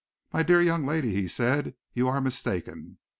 "My dear young lady," he said, "you are mistaken.